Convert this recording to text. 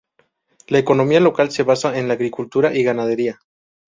La economía local se basa en la agricultura y ganadería.